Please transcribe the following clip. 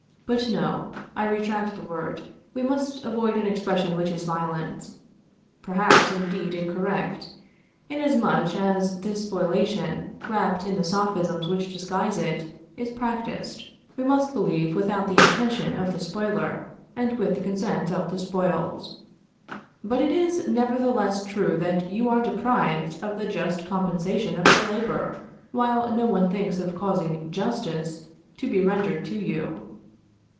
But no; I retract the word; we must avoid an expression which is violent; perhaps indeed incorrect; inasmuch as this spoliation, wrapped in the sophisms which disguise it, is practiced, we must believe, without the intention of the spoiler, and with the consent of the spoiled. But it is nevertheless true that you are deprived of the just compensation of your labor, while no one thinks of causing justice to be rendered to you.